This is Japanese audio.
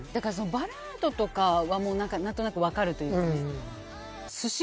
バラードとかは何となくわかるというか。